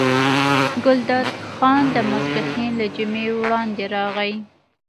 ګلداد خان د ماسپښین له جمعې وړاندې راغی.